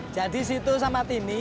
jadi situ sama tini